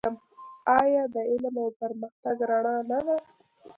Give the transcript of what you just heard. آیا د علم او پرمختګ رڼا نه ده؟